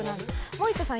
森田さん